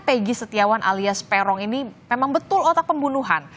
pegi setiawan alias peron ini memang betul otak pembunuhan